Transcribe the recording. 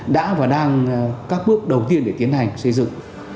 đã và đang các bước đầu tiên để tiến hành xây dựng